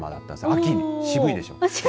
秋にね、渋いでしょ。